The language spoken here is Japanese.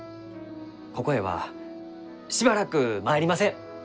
ここへはしばらく参りません！